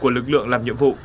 của lực lượng làm nhiệm vụ